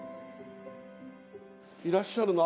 いらっしゃるの？